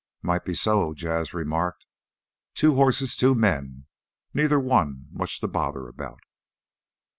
"Might be so," Jas' remarked. "Two horses, two men. Neither one much to bother about."